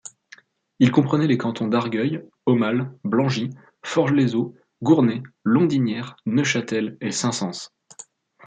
Il comprenait les cantons d'Argueil, Aumale, Blangy, Forges-les-Eaux, Gournay, Londinières, Neufchâtel et Saint-Saëns.